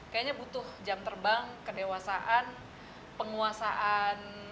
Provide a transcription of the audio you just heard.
kayaknya butuh jam terbang kedewasaan penguasaan